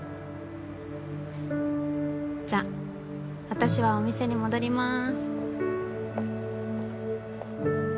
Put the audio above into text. じゃあ私はお店に戻ります。